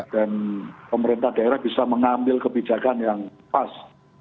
dan pemerintah daerah bisa mengambil kebijakan yang pas